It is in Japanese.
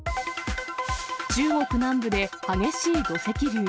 中国南部で激しい土石流。